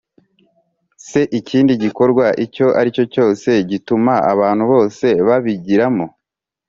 Se ikindi gikorwa icyo ari cyo cyose gituma abantu bose babigiramo